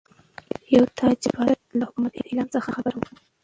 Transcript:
یو تاجر د پادشاه له حکومتي اعلان څخه ناخبره و.